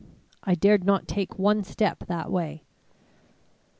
I dared not take one step that way.